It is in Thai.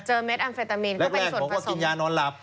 เม็ดอัมเฟตามีนก็เป็นส่วนบอกว่ากินยานอนหลับ